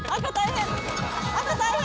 ・赤大変！